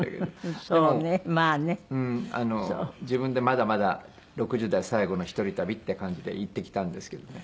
自分でまだまだ６０代最後の一人旅っていう感じで行ってきたんですけどね。